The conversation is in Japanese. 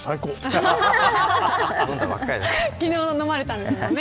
昨日、飲まれたんですもんね。